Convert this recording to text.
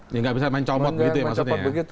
nggak bisa mencomot begitu ya maksudnya